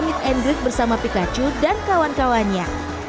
meet and greet bersama pikachu dan kawan kawannya